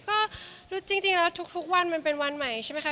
ก็จริงแล้วทุกวันมันเป็นวันใหม่ใช่ไหมคะ